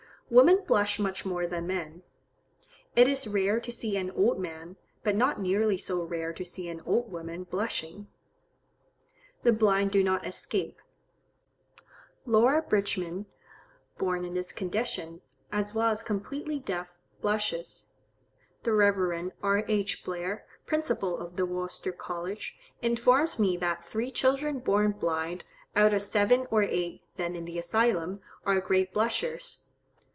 Women blush much more than men. It is rare to see an old man, but not nearly so rare to see an old woman blushing. The blind do not escape. Laura Bridgman, born in this condition, as well as completely deaf, blushes. The Rev. R. H. Blair, Principal of the Worcester College, informs me that three children born blind, out of seven or eight then in the Asylum, are great blushers.